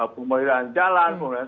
pemeliharaan jalan pemeliharaan